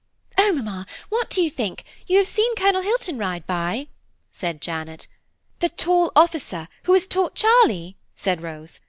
"Oh, mamma! what do you think? You have seen Colonel Hilton ride by?" said Janet. "The tall officer who has taught Charlie–" said Rose.